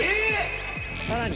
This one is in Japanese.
さらに！